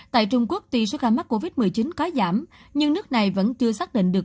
tại trung quốc tuy số ca mắc covid một mươi chín có giảm nhưng nước này vẫn chưa xác định được